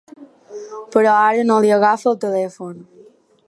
Però ara no li agafa el telèfon.